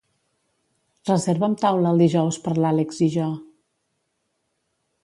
Reserva'm taula el dijous per l'Àlex i jo.